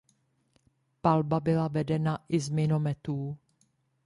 Palba byla vedena i z minometů.